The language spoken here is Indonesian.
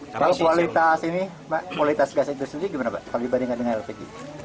kalau kualitas ini mbak kualitas gas itu sendiri gimana pak kalau dibandingkan dengan lpg